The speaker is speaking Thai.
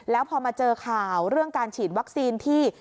แล้วพอมาเจอข่าวเรื่องการฉีดวัคซีนที่